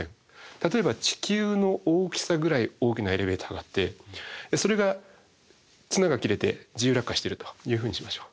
例えば地球の大きさぐらい大きなエレベーターがあってそれが綱が切れて自由落下してるというふうにしましょう。